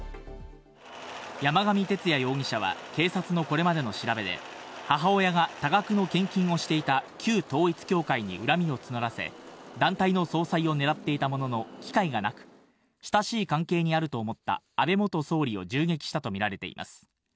山上徹也容疑者は警察のこれまでの調べで、母親が多額の献金をしていた旧統一教会に恨みを募らせ、団体の総裁をねらっていたものの機会がなく、親しい関係にあると思った安倍元総理を銃撃したとみられています。